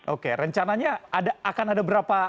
oke rencananya akan ada berapa